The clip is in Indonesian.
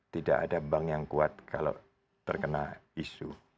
tidak ada bank yang kuat kalau terkena isu